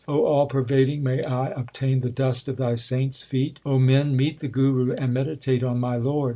O All pervading, may I obtain the dust of Thy saints feet ! O men, meet the Guru and meditate on my Lord.